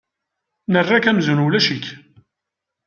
Nerra-k amzun ulac-ik.